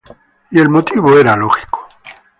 Y el motivo era lógico.